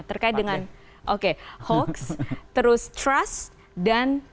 terkait dengan oke hoax terus trust dan